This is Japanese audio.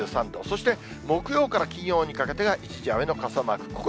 ２３度、そして木曜から金曜にかけてが、一時雨の傘マーク。